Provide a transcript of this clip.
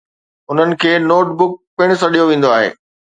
انهن کي notebook پڻ سڏيو ويندو آهي.